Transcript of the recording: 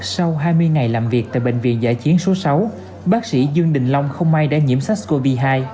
sau hai mươi ngày làm việc tại bệnh viện giã chiến số sáu bác sĩ dương đình long không may đã nhiễm sars cov hai